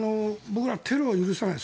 僕ら、テロを許さない